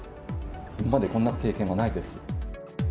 今までこんな経験はないです。